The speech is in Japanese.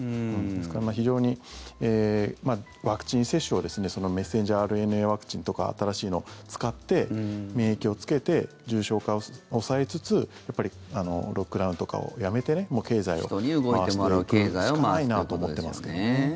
ですから、非常にワクチン接種をですねメッセンジャーＲＮＡワクチンとか新しいのを使って免疫をつけて重症化を抑えつつロックダウンとかをやめて経済を回していくしかないなと思ってますけどね。